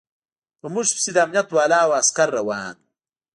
په موږ پسې د امنيت والاو عسکر روان و.